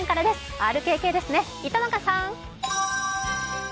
ＲＫＫですね、糸永さん。